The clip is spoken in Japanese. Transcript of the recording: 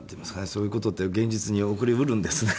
そういう事って現実に起こり得るんですね。